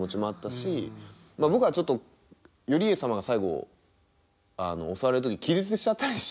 僕はちょっと頼家様が最後襲われる時に気絶しちゃったりして。